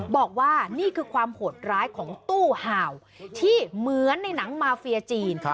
บอกว่านี่คือความโหดร้ายของตู้ห่าวที่เหมือนในหนังมาเฟียจีน